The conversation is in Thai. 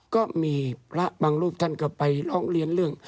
ก็มีพระบางรูปท่านก็ไปร้องเรียนเรื่อง